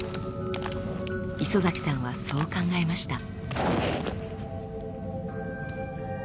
磯崎さんはそう考えました。